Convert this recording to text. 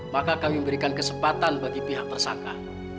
maka kami memberikan kesempatan bagi pihak tersangka